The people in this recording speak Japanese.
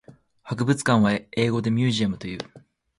博物館は英語でミュージアムという。